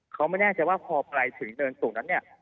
เขาไม่แน่ใจว่าพอไปถึงเนินสูงแล้วเนี่ย